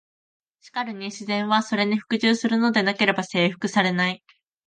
しかるに「自然は、それに服従するのでなければ征服されない」。